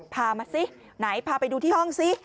พามาซิไหนพาไปดูที่ห้องซิ